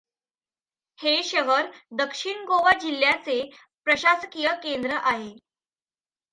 हे शहर दक्षिण गोवा जिल्ह्याचे प्रशासकीय केंद्र आहे.